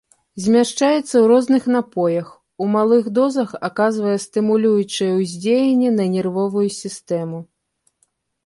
Змяшчаецца ў розных напоях, у малых дозах аказвае стымулюючае ўздзеянне на нервовую сістэму.